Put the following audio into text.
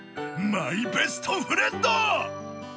マイベストフレンド！